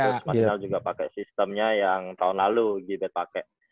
masinal juga pakai sistemnya yang tahun lalu g bed pakai